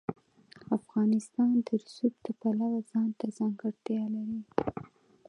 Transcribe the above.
افغانستان د رسوب د پلوه ځانته ځانګړتیا لري.